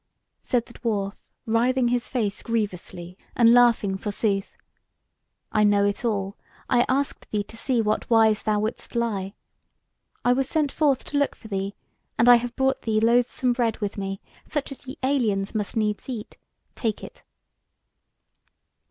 Said the dwarf, writhing his face grievously, and laughing forsooth: "I know it all: I asked thee to see what wise thou wouldst lie. I was sent forth to look for thee; and I have brought thee loathsome bread with me, such as ye aliens must needs eat: take it!"